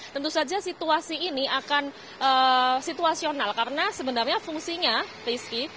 tentu saja situasi ini akan situasional karena sebenarnya fungsinya rizky